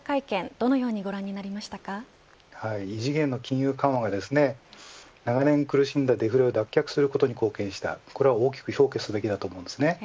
どのようにご異次元の金融緩和が長年苦しんだデフレを脱却することに貢献したこれは大きく評価すべきだと思います。